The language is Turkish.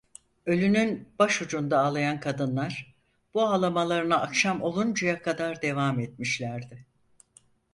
Ölünün baş ucunda ağlayan kadınlar, bu ağlamalarına akşam oluncaya kadar devam etmişlerdi…